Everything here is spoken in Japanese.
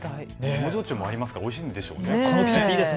芋焼酎もありますからおいしいんでしょうね。